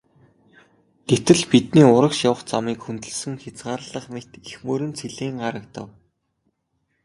Гэтэл бидний урагш явах замыг хөндөлсөн хязгаарлах мэт их мөрөн цэлийн харагдав.